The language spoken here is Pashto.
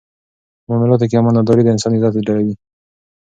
په معاملاتو کې امانتداري د انسان عزت ډېروي.